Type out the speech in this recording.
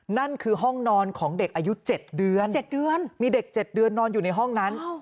นั่นคือห้องนอนของเด็กอายุ๗เดือน๗เดือนมีเด็ก๗เดือนนอนอยู่ในห้องนั้น